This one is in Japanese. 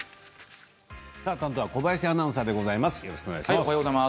担当は小林アナウンサーです。